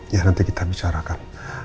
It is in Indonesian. ya nanti kita bicarakan